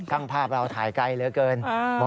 ภาพเราถ่ายไกลเหลือเกิน